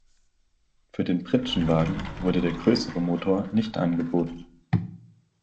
Für den Pritschenwagen wurde der größere Motor nicht angeboten.